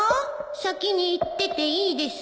先に行ってていいです